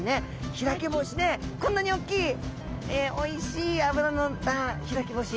開き干しでこんなに大きいおいしい脂の乗った開き干し。